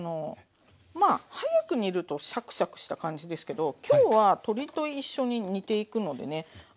まあ早く煮るとシャクシャクした感じですけど今日は鶏と一緒に煮ていくのでね